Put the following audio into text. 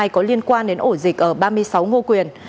có liên quan đến ổ dịch ở ba mươi sáu ngô quyền